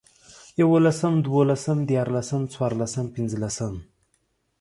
يوولسم، دوولسم، ديارلسم، څلورلسم، پنځلسم